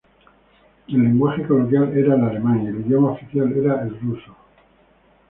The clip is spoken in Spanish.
El lenguaje coloquial era el alemán y el idioma oficial era el ruso.